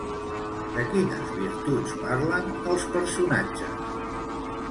De quines virtuts parlen, els personatges?